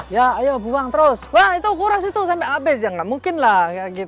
ya ayo buang terus wah itu kuras itu sampai habis ya nggak mungkin lah